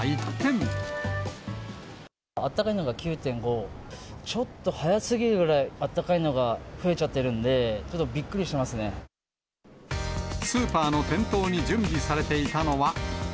あったかいのが９．５、ちょっと早すぎるぐらいあったかいのが増えちゃってるんで、スーパーの店頭に準備されていたのは。